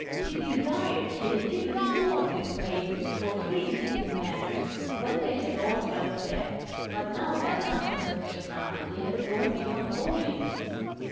He desired, he had even inwardly prayed for free and easy manners, when they had all held back, but now that unconventionality had gone beyond all limits.